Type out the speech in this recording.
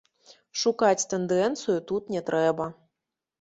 Шукаць тэндэнцыю тут не трэба.